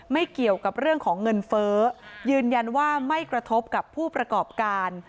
เกี่ยวกับเรื่องของเงินเฟ้อยืนยันว่าไม่กระทบกับผู้ประกอบการ